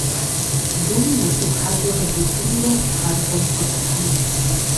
Дум нартыху хьэдзэ къызитынурэ Тхьэрыкъуэм хуэсхьынущ.